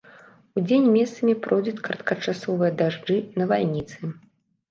Удзень месцамі пройдуць кароткачасовыя дажджы, навальніцы.